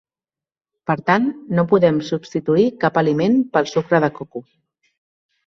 Per tant, no podem substituir cap aliment pel sucre de coco.